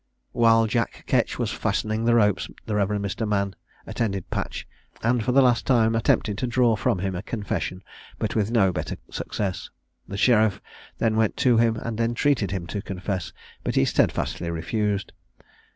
While Jack Ketch was fastening the ropes, the Rev. Mr. Mann attended Patch, and, for the last time, attempted to draw from him a confession, but with no better success. The sheriff then went to him, and entreated him to confess; but he steadfastly refused.